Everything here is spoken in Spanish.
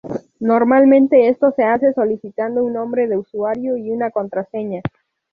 Normalmente, esto se hace solicitando un nombre de usuario y una contraseña.